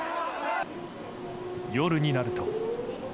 夜になると。